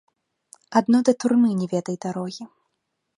Адно да турмы не ведай дарогі.